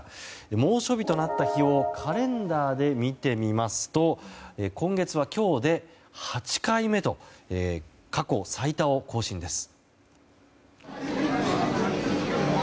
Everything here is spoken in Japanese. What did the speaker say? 猛暑日となった日をカレンダーで見てみますと今月は今日で８回目と過去最多を更新です。